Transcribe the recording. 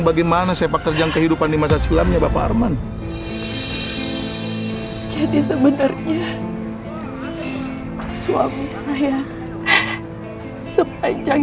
bagaimana sepak terjang kehidupan di masa silamnya bapak arman jadi sebenarnya suami saya sepanjang